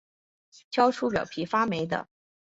挑出表皮发霉的